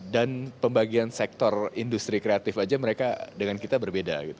dan pembagian sektor industri kreatif saja mereka dengan kita berbeda